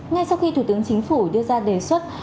ngay sau khi thủ tướng chính phủ đưa ra đề xuất